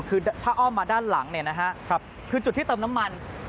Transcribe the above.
คือถ้าอ้อมมาด้านหลังคือจุดที่เติมน้ำมัน